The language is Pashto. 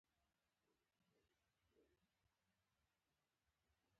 سړي وویل چې ته زما وفادار ملګری یې.